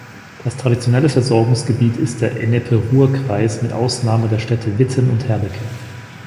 Das traditionelle Versorgungsgebiet ist der Ennepe-Ruhr-Kreis mit Ausnahme der Städte Witten und Herdecke.